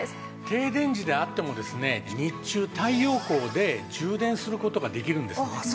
停電時であってもですね日中太陽光で充電する事ができるんですね。